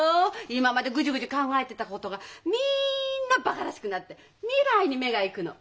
今までグジュグジュ考えてたことがみんなバカらしくなって未来に目が行くの。